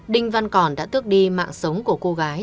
đinh văn còn đã tước đi mạng sống của cô gái